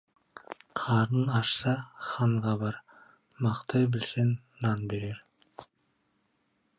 Қарның ашса, ханға бар, мақтай білсең, нан берер.